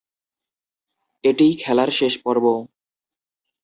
এটিই খেলার শেষ পর্ব।